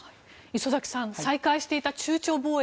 礒崎さん再開していた中朝貿易